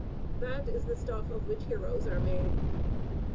That is the stuff of which heroes are made.